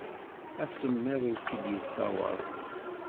Asemmiḍ ur k-id-yeṣṣawaḍ.